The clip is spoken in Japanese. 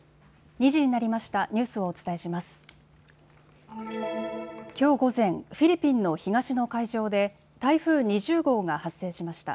２時になりました。